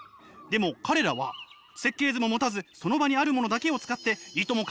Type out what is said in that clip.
でも彼らは設計図も持たずその場にあるものだけを使っていとも